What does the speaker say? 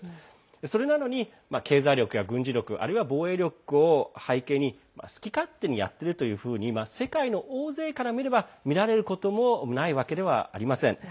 それなのに経済力や軍事力あるいは防衛力を背景に好き勝手にやっているというふうに世界の大勢から見ればそう見られることもないわけではありません。